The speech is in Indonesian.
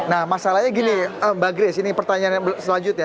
nah masalahnya gini mbak grace ini pertanyaan selanjutnya